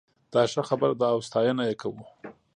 دا ښه خبره ده او ستاينه یې کوو